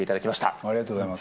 ありがとうございます。